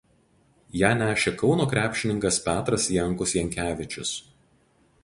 Ją nešė Kauno krepšininkas Petras Jankus Jankevičius.